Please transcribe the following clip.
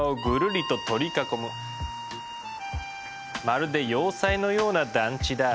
まるで要塞のような団地だ。